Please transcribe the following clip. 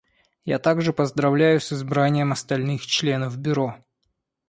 Я также поздравляю с избранием остальных членов Бюро.